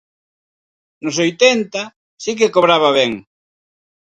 No oitenta, si que se cobraba ben.